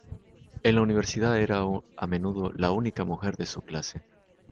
En la universidad era a menudo la única mujer de su clase.